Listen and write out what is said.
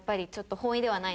本意ではない。